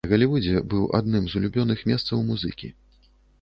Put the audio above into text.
Галівудзе быў адным з улюбёных месцаў музыкі.